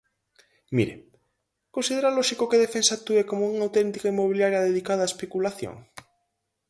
Mire, ¿considera lóxico que Defensa actúe como unha auténtica inmobiliaria dedicada á especulación?